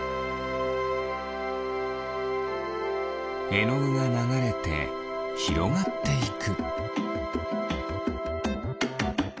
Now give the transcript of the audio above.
えのぐがながれてひろがっていく。